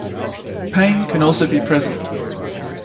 Pain can also be present.